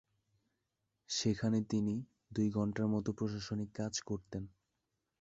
সেখানে তিনি দুই ঘণ্টার মত প্রশাসনিক কাজ করতেন।